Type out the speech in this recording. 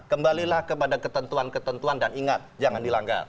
kembalilah kepada ketentuan ketentuan dan ingat jangan dilanggar